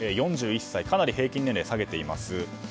４１歳かなり平均年齢を下げています。